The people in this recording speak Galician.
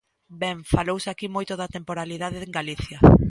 Ben, falouse aquí moito da temporalidade en Galicia.